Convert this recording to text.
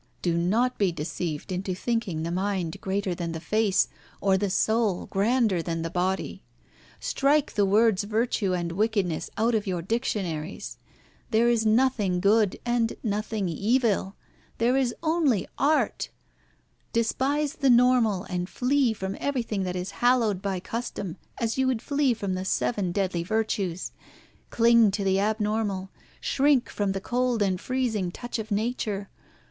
Do not be deceived into thinking the mind greater than the face, or the soul grander than the body. Strike the words virtue and wickedness out of your dictionaries. There is nothing good and nothing evil. There is only art. Despise the normal, and flee from everything that is hallowed by custom, as you would flee from the seven deadly virtues. Cling to the abnormal. Shrink from the cold and freezing touch of Nature.